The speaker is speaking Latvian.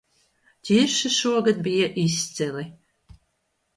Ķirši šogad bija izcili